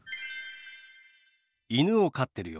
犬を飼ってるよ。